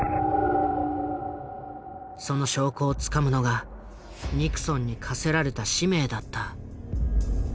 その証拠をつかむのがニクソンに課せられた使命だった。